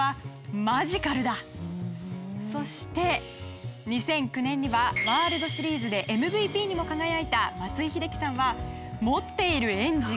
そして２００９年にはワールドシリーズでＭＶＰにも輝いた松井秀喜さんは。